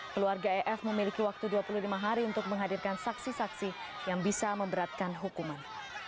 keluarga ef memiliki waktu dua puluh lima hari untuk menghadirkan saksi saksi yang bisa memberatkan hukuman